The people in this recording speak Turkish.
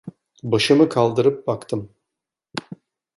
Başımı kaldırıp baktım.